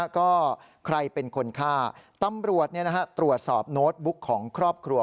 ก็ใครเป็นคนฆ่าตำรวจตรวจสอบโน้ตบุ๊กของครอบครัว